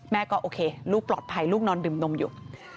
โอเคลูกปลอดภัยลูกนอนดื่มนมอยู่